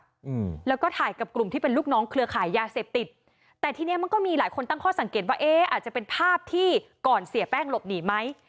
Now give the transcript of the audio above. อืมแล้วก็ถ่ายกับกลุ่มที่เป็นลูกน้องเครือขายยาเสพติดแต่ทีเนี้ยมันก็มีหลายคนตั้งข้อสังเกตว่าเอ๊ะอาจจะเป็นภาพที่ก่อนเสียแป้งหลบหนีไหม